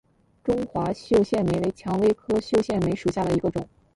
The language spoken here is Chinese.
中华绣线梅为蔷薇科绣线梅属下的一个种。